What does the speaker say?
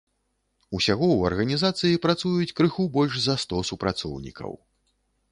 Усяго ў арганізацыі працуюць крыху больш за сто супрацоўнікаў.